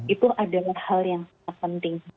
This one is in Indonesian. itu adalah hal yang sangat penting